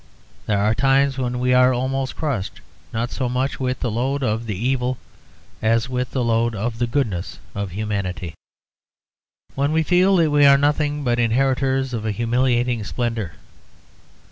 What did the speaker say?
There are times when we are almost crushed, not so much with the load of the evil as with the load of the goodness of humanity, when we feel that we are nothing but the inheritors of a humiliating splendour.